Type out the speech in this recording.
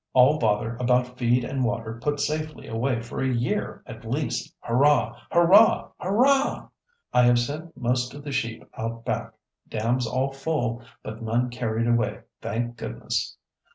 All bother about feed and water put safely away for a year at least. Hurrah! Hurrah! Hurrah! "I have sent most of the sheep out back. Dams all full, but none carried away, thank goodness!